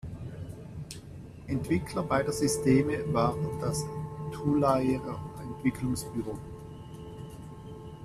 Entwickler beider Systeme war das Tulaer Entwicklungsbüro.